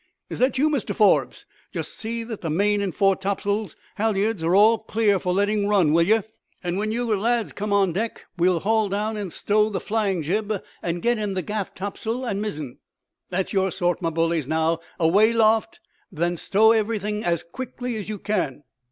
Is that you, Mr Forbes? Just see that the main and fore tops'l halliards are all clear for letting run, will ye? And when your lads come on deck we will haul down and stow the flying jib and get in the gaff tops'l and mizzen. That's your sort, my bullies; now, away aloft and stow everything as quickly as you can."